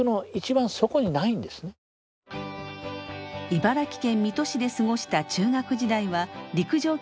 茨城県水戸市で過ごした中学時代は陸上競技に熱中。